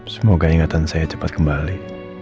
semoga ingatan saya cepat kembali